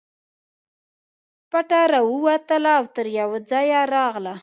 پټه راووتله او تر یوه ځایه راغله.